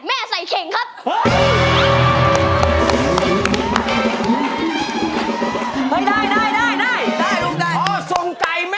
มาฟังหมดเพลงเพราะครับจากน้องปานอสงไขค่ะ